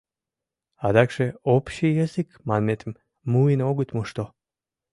Адакше общий язык манметым муын огыт мошто.